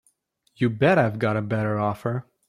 You bet I've got a better offer.